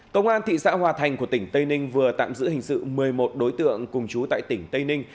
công an thị xã hòa thành của tỉnh tây ninh vừa tạm giữ hình sự một mươi một đối tượng cùng chú tại tỉnh tây ninh